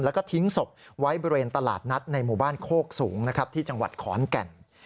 แล้วก็ทิ้งศพไว้บริเวณตลาดนัดในหมู่บ้านโคกสูงนะครับที่จังหวัดขอนแก่น